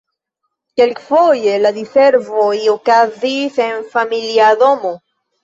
Kelkfoje la diservoj okazis en familia domo.